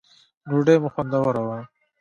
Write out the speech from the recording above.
ډوډی مو خوندوره وه